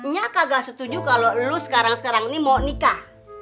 nya kagak setuju kalo lo sekarang sekarang ini mau nikah